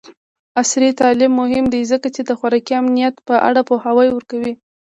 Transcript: عصري تعلیم مهم دی ځکه چې د خوراکي امنیت په اړه پوهاوی ورکوي.